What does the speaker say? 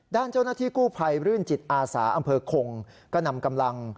ด้านเจ้าหน้าที่กู้ภัยรื่นจิตอาสาอำเภอคงก็นำกำลัง